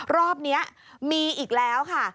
รอบนี้มีอีกแล้วค่ะ